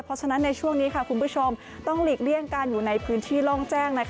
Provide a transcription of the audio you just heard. เพราะฉะนั้นในช่วงนี้คุณผู้ชมต้องหลีกเลี่ยงการอยู่ในพื้นที่โล่งแจ้ง